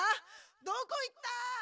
どこ行った？